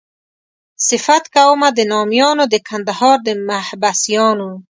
صفت کومه د نامیانو د کندهار د محبسیانو.